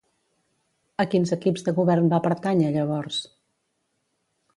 A quins equips de govern va pertànyer llavors?